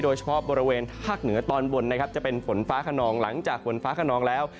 โดยเฉพาะบริเวณภาคเหนือตอนบนนะครับจะเป็นฝนฟ้าขนองหลังจากฝนฟ้าขนองแล้ว